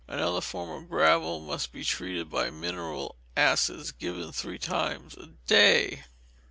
Another form of gravel must be treated by mineral acids, given three times a day.